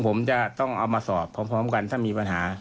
ผมจะต้องเอามาสอบพร้อมกันถ้ามีปัญหา